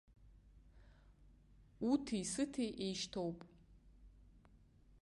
Уҭи сыҭи еишьҭоуп!